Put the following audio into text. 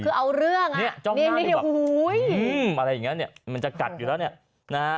เจ้าง่าแบบหูยมันจะกัดอยู่แล้วเนี่ย